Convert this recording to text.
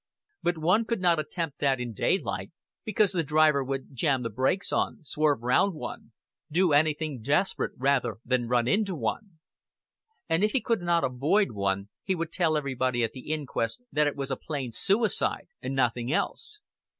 But one could not attempt that in daylight, because the driver would jam the breaks on, swerve round one, do anything desperate rather than run into one. And if he could not avoid one, he would tell everybody at the inquest that it was a plain suicide and nothing else.